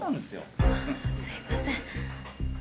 すいません。